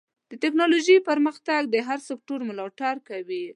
د ټکنالوجۍ پرمختګ د هر سکتور ملاتړ کوي.